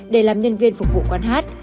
để làm nhân viên phục vụ quán hát